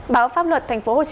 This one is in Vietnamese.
báo pháp lộn